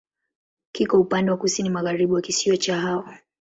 Kiko upande wa kusini-magharibi wa kisiwa cha Hao.